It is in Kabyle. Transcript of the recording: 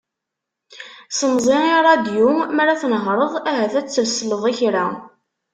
Semẓi i radyu mi ara tnehreḍ, ahat ad tesleḍ i kra.